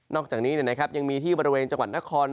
อกจากนี้ยังมีที่บริเวณจังหวัดนคร